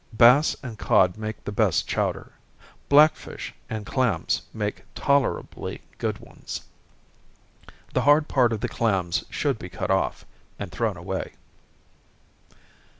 Bass and cod make the best chowder black fish and clams make tolerably good ones. The hard part of the clams should be cut off, and thrown away.